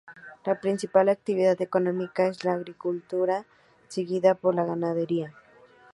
La principal actividad económica es la agricultura seguida por la ganadería.